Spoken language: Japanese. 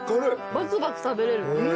バクバク食べれる。